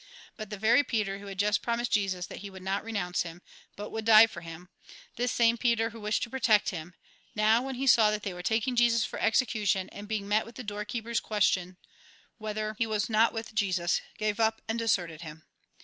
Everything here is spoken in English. But the very Peter who had just promised Jesus that he would not renounce him, but would die for him, this same Peter who wished to protect him, — now, when he saw that they were taking Jesus for execution, and being met with the door keeper's question. Whether he was not with Jesus ? gave up, and deserted him.